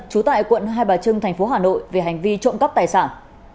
chú tại quận hai bà trưng tp hà nội về hành vi trộm cắp tài sản